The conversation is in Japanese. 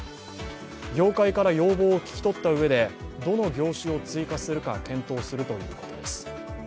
業界から要望を聞き取ったうえでどの業種を追加するか検討するということです。